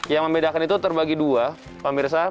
yang membedakan itu terbagi dua pak mirsa